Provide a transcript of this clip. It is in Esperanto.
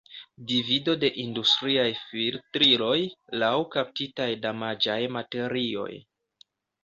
Divido de industriaj filtriloj laŭ kaptitaj damaĝaj materioj.